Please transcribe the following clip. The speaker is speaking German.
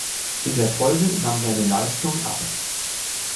In der Folge nahm seine Leistungen ab.